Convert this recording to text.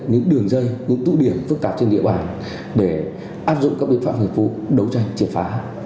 những đường dây những tụ điểm phức tạp trên địa bàn để áp dụng các biện pháp nghiệp vụ đấu tranh triệt phá